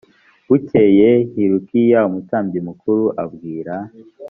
bukeye hilukiya umutambyi mukuru abwira